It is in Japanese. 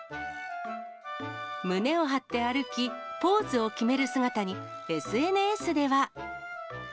胸を張って歩き、ポーズを決める姿に、ＳＮＳでは。